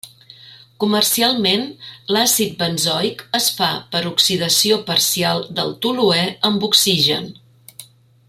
Comercialment l'àcid benzoic es fa per oxidació parcial del toluè amb oxigen.